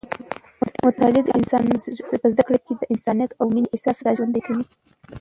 مطالعه د انسان په زړه کې د انسانیت او مینې احساس راژوندی کوي.